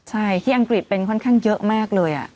ใช่ที่อังกฤษเป็นค่อนข้างเยอะมากเลย